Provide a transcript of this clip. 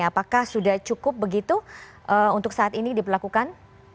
apakah sudah cukup begitu untuk saat ini diperlakukan